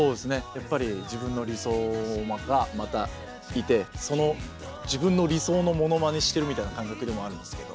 やっぱり自分の理想がまたいてその自分の理想のモノマネしてるみたいな感覚でもあるんですけど。